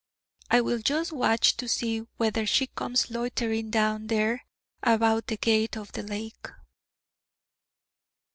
I will just watch to see whether she comes loitering down there about the gate of the lake.